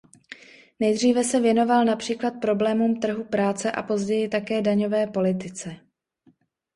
Nejdříve se věnoval například problémům trhu práce a později také daňové politice.